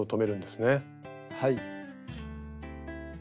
はい。